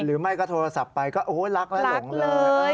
หรือไม่ก็โทรศัพท์ไปก็โอ้รักและหลงเลย